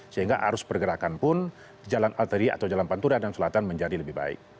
sehingga arus pergerakan pun jalan arteri atau jalan pantura dan selatan menjadi lebih baik